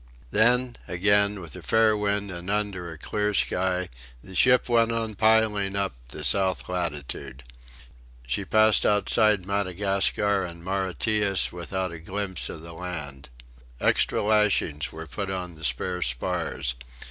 Then, again, with a fair wind and under a clear sky, the ship went on piling up the South Latitude. She passed outside Madagascar and Mauritius without a glimpse of the land. Extra lashings were put on the spare spars.